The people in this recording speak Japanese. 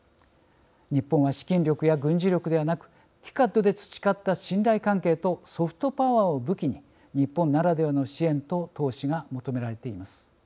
日本は資金力や軍事力ではなくＴＩＣＡＤで培った信頼関係とソフトパワーを武器に日本ならではの支援と投資が求められています。